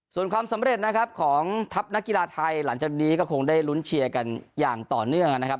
ส่วนความสำเร็จนะครับของทัพนักกีฬาไทยหลังจากนี้ก็คงได้ลุ้นเชียร์กันอย่างต่อเนื่องนะครับ